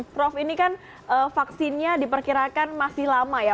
prof ini kan vaksinnya diperkirakan masih lama ya